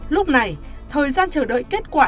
lúc này thời gian chờ đợi kết quả